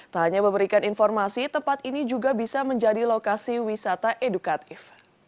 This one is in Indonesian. tak hanya memberikan informasi tempat ini juga bisa menjadi lokasi wisata edukatif